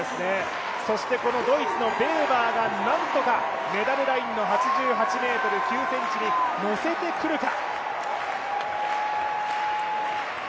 そしてドイツのベーバーがなんとかメダルラインの８８ｍ９ｃｍにのせてくるか。